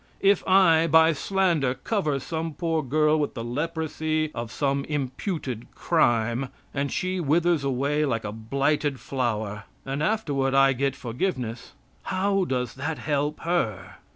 If I, by slander, cover some poor girl with the leprosy of some imputed crime, and she withers away like a blighted flower, and afterward I get forgiveness, how does that help her?